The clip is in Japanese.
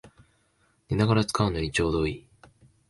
寝ながら使うのにちょうどいい